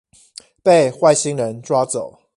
被外星人抓走